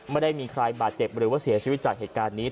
ไม่ได้มีใครบาดเจ็บหรือว่าเสียชีวิตจากเหตุการณ์นี้